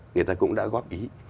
người ta cũng đã góp ý